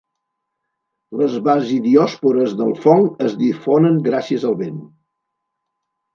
Les basidiòspores del fong es difonen gràcies al vent.